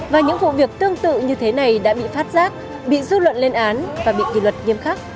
và những vụ việc tương tự như thế này đã bị phát giác bị dư luận lên án và bị kỷ luật nghiêm khắc